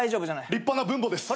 立派な分母です。